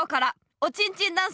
「おちんちんダンス」